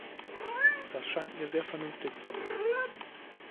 Das scheint mir sehr vernünftig zu sein.